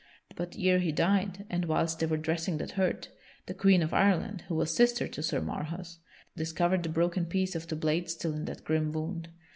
But ere he died, and whilst they were dressing that hurt, the Queen of Ireland, who was sister to Sir Marhaus, discovered the broken piece of the blade still in that grim wound.